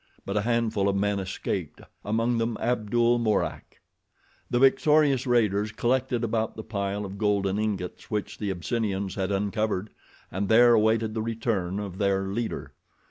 But a handful of men escaped, among them Abdul Mourak. The victorious raiders collected about the pile of golden ingots which the Abyssinians had uncovered, and there awaited the return of their leader.